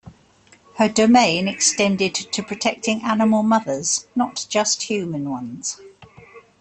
Her domain extended to protecting animal mothers, not just human ones.